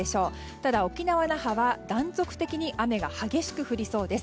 ただ沖縄・那覇は断続的に雨が激しく降りそうです。